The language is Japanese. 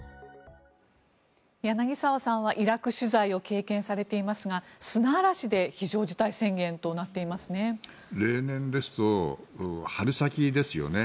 柳澤さんはイラク取材を経験されていますが砂嵐で非常事態宣言となっていますね。